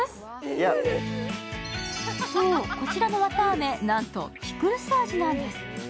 そう、こちらの綿あめ、なんとピクルス味なんです。